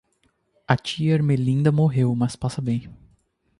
A tia Ermelinda morreu mas passa bem.